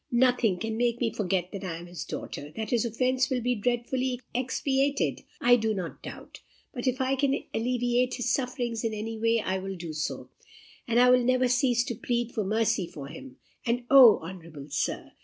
Nothing can make me forget that I am his daughter. That his offence will be dreadfully expiated, I do not doubt; but if I can alleviate his sufferings in any way, I will do so; and I will never cease to plead for mercy for him. And O, honourable Sir!